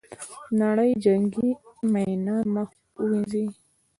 نړۍ جنګي میینان مخ ووینځي.